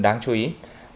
đăng ký kênh của chúng tôi